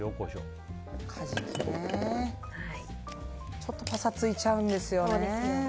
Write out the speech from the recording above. カジキね、ちょっとパサついちゃうんですよね。